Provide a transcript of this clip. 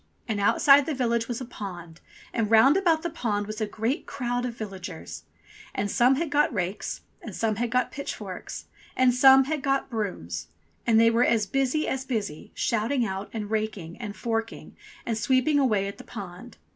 And outside the village was a pond, and round about the pond was a great crowd of villagers. And some had got rakes, and some had got pitchforks, and some had got brooms. And they were as busy as busy, shouting out, and raking, and forking, and sweeping away at the pond.